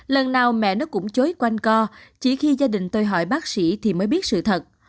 lần nào mẹ nó cũng chối quanh co chỉ khi gia đình tôi hỏi bác sĩ thì mới biết sự thật